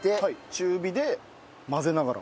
中火で混ぜながら。